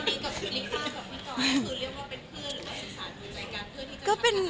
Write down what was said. ผู้ภูมิที่จะอยู่ร้ายละกืน